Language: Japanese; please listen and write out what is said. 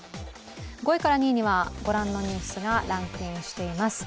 ５位から２位にはご覧のニュースがランクインしています。